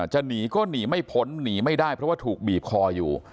จะหนีก็หนีไม่พ้นหนีไม่ได้เพราะว่าถูกบีบคออยู่